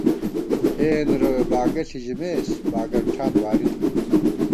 اېن رَوے باگہ ݪِی ژِمېس، باگن ٹھان واری تھنہ